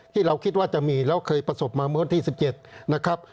ที่เราคิดว่าจะมีแล้วเคยประสบมาเมื่อวันที่๑๗นะครับ